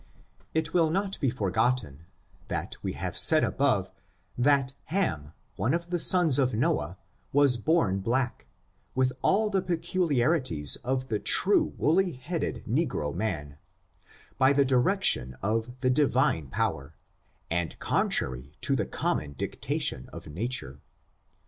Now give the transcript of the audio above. It will not be forgotten, that we have said above, that Haniy one of the sons of Noah, was born black, with all the peculiarities of the true woolly headed negro man, by the direction of the Divine power, and contrary to the common dictation of nature.